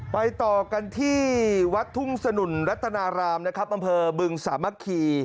ไปต่อกันที่วัดทุ่งสนุนรัตนารามนะครับอำเภอบึงสามัคคี